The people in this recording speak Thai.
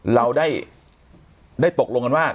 เราได้ตกลงกันว่า